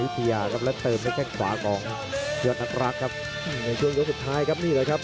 แต่ไปฝ้ายนั้นยอดนักรักษ์ใกล้แคลปฝ้าครับ